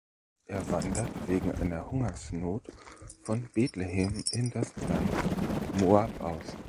Er wandert wegen einer Hungersnot von Bethlehem in das Land Moab aus.